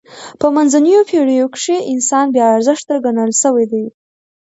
به منځنیو پېړیو کښي انسان بې ارزښته ګڼل سوی دئ.